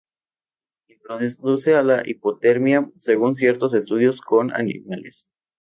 Induce a la hipotermia según ciertos estudios con animales.